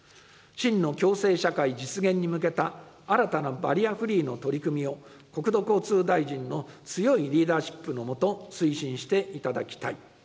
真の共生社会実現に向けた新たなバリアフリーの取り組みを、国土交通大臣の強いリーダーシップの下、推進していただきたい。